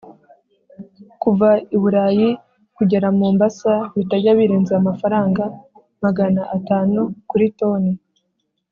kuva i bulayi kugera mombasa bitajya birenza amafaranga magana atanu kuri toni.